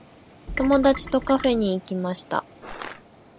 友達とカフェに行きました。